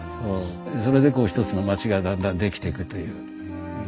それでこう一つの町がだんだんできていくという。